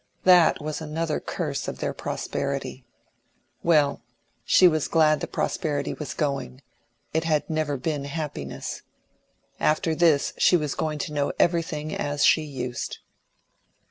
That was another curse of their prosperity. Well, she was glad the prosperity was going; it had never been happiness. After this she was going to know everything as she used.